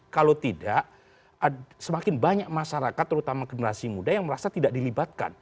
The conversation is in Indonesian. kalau tidak semakin banyak masyarakat terutama generasi muda yang merasa tidak dilibatkan